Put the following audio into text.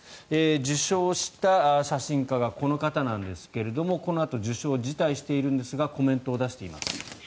受賞した写真家がこの方なんですがこのあと受賞を辞退しているんですがコメントを出しています。